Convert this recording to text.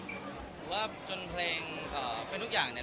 ผมว่าจนเพลงเป็นทุกอย่างเนี่ย